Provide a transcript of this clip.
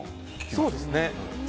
そうですね。